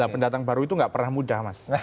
pendatang baru itu nggak pernah mudah mas